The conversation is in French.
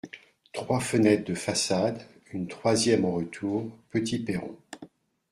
Trois fenêtres de façade, une troisième en retour ; petit perron.